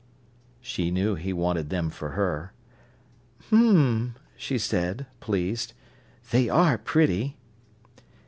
She knew he wanted them for her. "H'm!" she said, pleased. "They are pretty!"